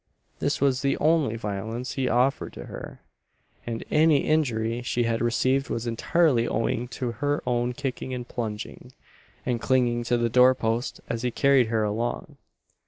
This was the only violence he offered to her; and any injury she had received was entirely owing to her own kicking and plunging, and clinging to the door posts as he carried her along.